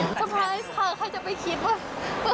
สำหรับข้าใครจะไปคิดว่า